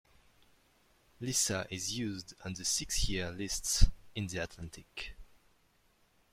Lisa is used on the six-year lists in the Atlantic.